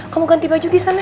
kamu ganti baju disana